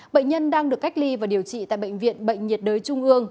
bệnh nhân đang được cách ly và điều trị tại bệnh viện bệnh nhiệt đới trung ương